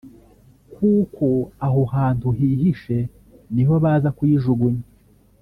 kuko aho hantu hihishe niho baza kuyijugunya